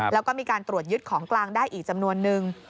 แล้วก็มีการตรวจยึดของกลางได้อีกจำนวนนึง